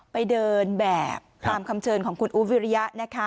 ไปเดินแบบตามคำเชิญของคุณอุ๊บวิริยะนะคะ